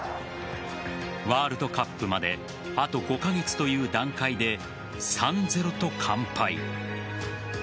ワールドカップまであと５カ月という段階で３‐０と完敗。